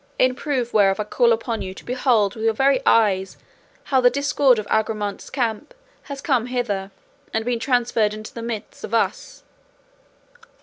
In proof whereof I call upon you to behold with your own eyes how the discord of Agramante's camp has come hither, and been transferred into the midst of us.